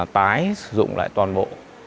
tái sử dụng lại toàn bộ